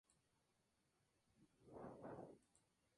Se entiende entonces, que su nombre significa "la más grande".